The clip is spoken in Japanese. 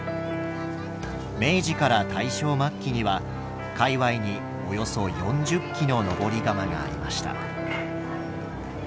明治から大正末期には界わいにおよそ４０基の登り窯がありました。